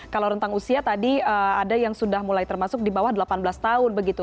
kalau rentang usia tadi ada yang sudah mulai termasuk di bawah delapan belas tahun begitu